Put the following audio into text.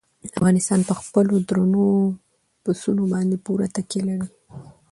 افغانستان په خپلو درنو پسونو باندې پوره تکیه لري.